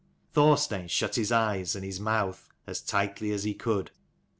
Thor stein shut his eyes and his mouth as tightly as he could.